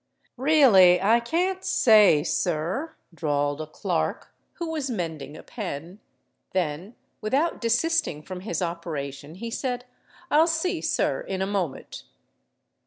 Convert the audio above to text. "Really I can't say, sir," drawled a clerk, who was mending a pen: then, without desisting from his operation, he said, "I'll see, sir, in a moment."